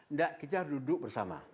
enggak kita harus duduk bersama